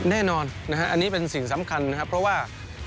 แน่นอนนะฮะอันนี้เป็นสิ่งสำคัญนะครับเพราะว่า